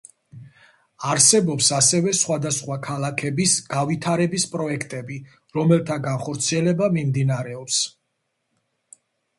არსებობს, ასევე სხვადასხვა ქალაქების გავითარების პროექტები, რომელთა განხორციელება მიმდინარეობს.